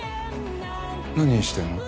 何してんの？